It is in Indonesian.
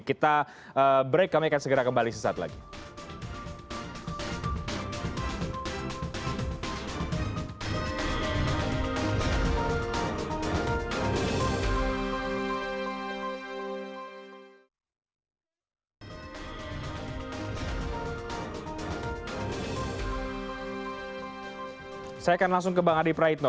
kita break kami akan segera kembali sesaat lagi